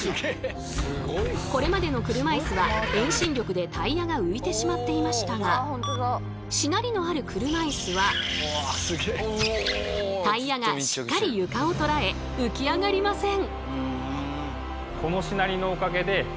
これまでの車いすは遠心力でタイヤが浮いてしまっていましたがしなりのある車いすはタイヤがしっかり床を捉え浮き上がりません！